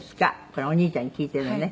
これお兄ちゃんに聞いてるのね。